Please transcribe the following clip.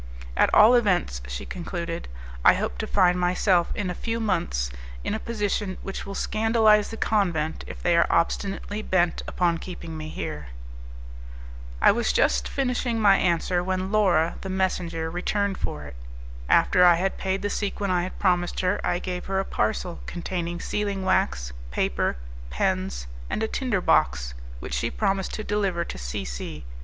"At all events," she concluded, "I hope to find myself in a few months in a position which will scandalize the convent if they are obstinately bent upon keeping me here." I was just finishing my answer when Laura, the messenger, returned for it. After I had paid the sequin I had promised her, I gave her a parcel containing sealing wax, paper, pens, and a tinder box, which she promised to deliver to C C